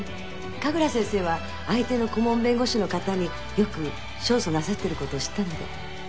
神楽先生は相手の顧問弁護士の方によく勝訴なさってることを知ったので。